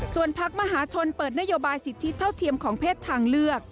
ส่วนพักมหาชนเปิดนโยบายสิทธิเท่าเทียมของเพศทางเลือก